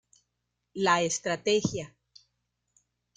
La Estrategia".